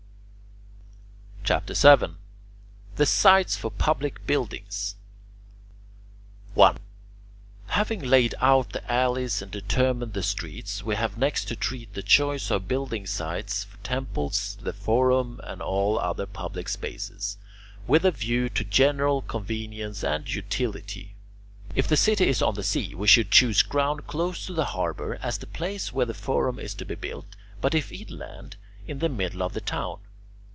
CHAPTER VII THE SITES FOR PUBLIC BUILDINGS 1. Having laid out the alleys and determined the streets, we have next to treat of the choice of building sites for temples, the forum, and all other public places, with a view to general convenience and utility. If the city is on the sea, we should choose ground close to the harbour as the place where the forum is to be built; but if inland, in the middle of the town.